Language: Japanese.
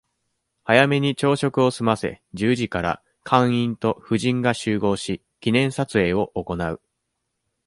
早めに朝食を済ませ、十時から、館員と夫人が集合し、記念撮影を行う。